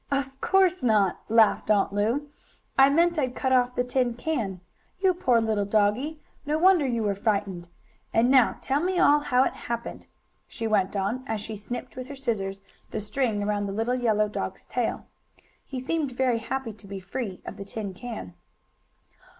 "Of course not!" laughed Aunt Lu. "I meant I'd cut off the tin can. You poor little doggie! No wonder you were frightened. And now tell me all how it happened," she went on, as she snipped, with her scissors, the string around the little yellow dog's tail. He seemed very happy to be free of the tin can.